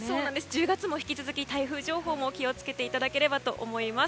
１０月も引き続き台風情報にも気を付けていただきたいと思います。